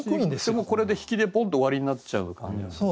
でもこれで引きでポンと終わりになっちゃう感じがする。